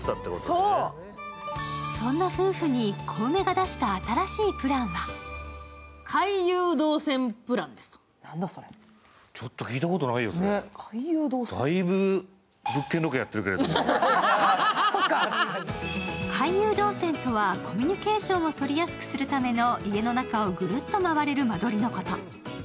そんな夫婦に小梅が出した新しいプランは回遊動線とはコミュニケーションを取りやすくするための家の中をぐるっと回れる間取りのこと。